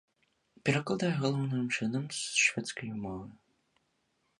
Перакладае галоўным чынам з шведскай мовы.